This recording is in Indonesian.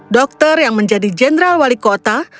dokter yang menjadi jenderal wali kota